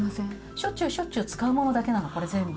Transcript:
しょっちゅうしょっちゅう使うものだけなのこれ全部。